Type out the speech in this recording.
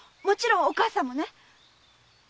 もちろんお義母さんもね。